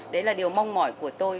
đấy là điều mong mỏi của tôi